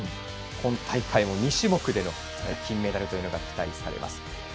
今大会も２種目での金メダルが期待されます。